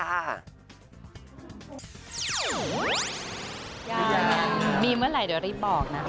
อยากมีอย่างนั้นมีเมื่อไหร่เดี๋ยวรีบบอกนะ